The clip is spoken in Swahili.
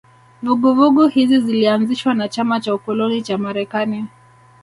Vuguvugu hizi zilianzishwa na chama cha ukoloni cha Marekani